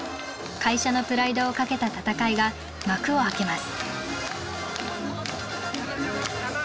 会社のプライドを懸けた戦いが幕を開けます。